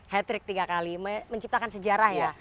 hat trick tiga kali menciptakan sejarah ya